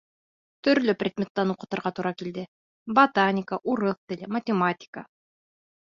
Төрлө предметтан уҡытырға тура килде: ботаника, урыҫ теле, математика...